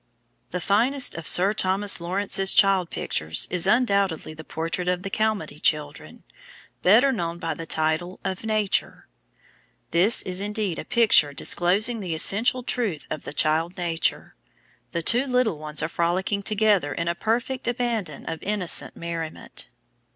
The finest of Sir Thomas Lawrence's child pictures is undoubtedly the portrait of the Calmady children, better known by the title of "Nature." This is indeed a picture disclosing the essential truth of the child nature; the two little ones are frolicking together in a perfect abandon of innocent merriment.